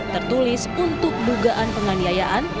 tertulis untuk dugaan penganiayaan